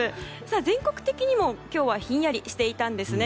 全国的にも今日はひんやりしていたんですね。